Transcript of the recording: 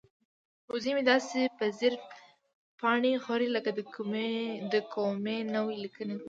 وزه مې داسې په ځیر پاڼې خوري لکه د کومې نوې لیکنې لوستل.